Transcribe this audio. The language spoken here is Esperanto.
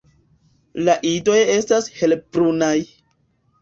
La idoj estas helbrunaj.